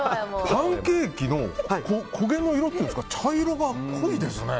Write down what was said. パンケーキの焦げの色というか茶色が濃いですね。